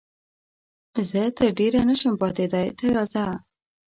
زه تر ډېره نه شم پاتېدای، ته راځه.